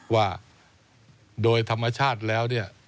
ว่าโดยธรรมชาติแล้วเนี่ย